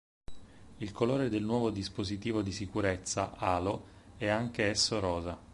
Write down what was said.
Il colore del nuovo dispositivo di sicurezza "Halo" è anche esso rosa.